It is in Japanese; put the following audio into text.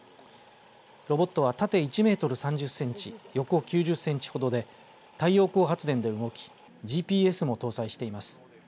ロボットは縦１メートル３０センチ横９０センチほどで太陽光発電で動きＧＰＳも搭載しています。